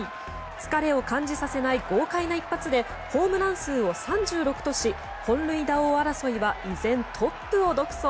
疲れを感じさせない豪快な一発でホームラン数を３６とし本塁打王争いは依然、トップを独走。